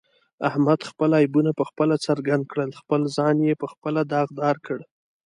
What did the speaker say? احمد خپل عیبونه په خپله څرګند کړل، خپل ځان یې په خپله داغدارکړ.